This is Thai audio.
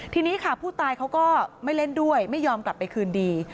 ทีนี้ค่ะผู้ตายเขาก็ไม่เล่นด้วยไม่ยอมกลับไปคืนดี